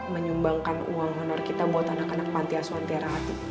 menyumbangkan uang honor kita buat anak anak pantiasuan tiarahati